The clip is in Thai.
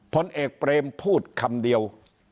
ผลเอกเปรมพูดคำเดียว